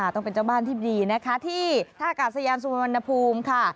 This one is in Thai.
ต้องเป็นเจ้าบ้านที่ดีท่ากาศยานสุวรรณภูมิ